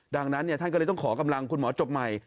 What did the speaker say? ดังนั้นท่านก็เลยต้องขอกำลังคุณหมอจบใหม่